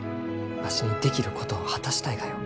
わしにできることを果たしたいがよ。